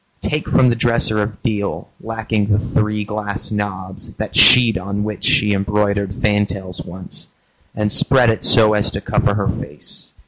Take from the dresser of deal, Lacking the three glass knobs, that sheet On which she embroidered fantails once And spread it so as to cover her face.